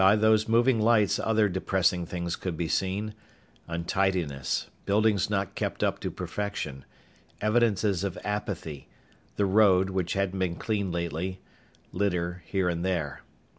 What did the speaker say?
By those moving lights other depressing things could be seen: untidiness, buildings not kept up to perfection, evidences of apathy, the road, which hadn't been cleaned lately, litter here and there.